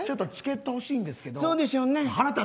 チケット欲しいんですけど。